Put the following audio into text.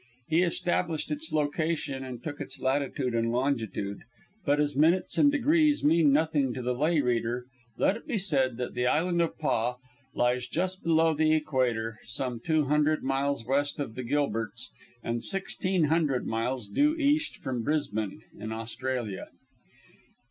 He established its location and took its latitude and longitude, but as minutes and degrees mean nothing to the lay reader, let it be said that the Island of Paa lies just below the equator, some 200 miles west of the Gilberts and 1,600 miles due east from Brisbane, in Australia.